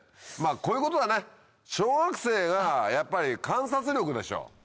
こういうことだね小学生がやっぱり観察力でしょ。